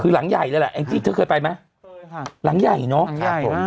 คือหลังใหญ่นั่นแหละไอ้จิ๊กเธอเคยไปไหมค่ะหลังใหญ่เนอะหลังใหญ่มาก